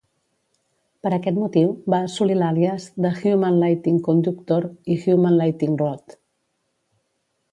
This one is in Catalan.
Per aquest motiu, va assolir l"àlies de "Human Lightning Conductor" i "Human Lightning Rod".